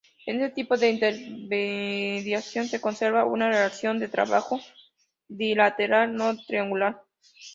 En este tipo de intermediación se conserva una relación de trabajo bilateral, no triangular.